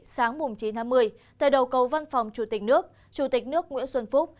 sáng chín tháng một mươi tại đầu cầu văn phòng chủ tịch nước chủ tịch nước nguyễn xuân phúc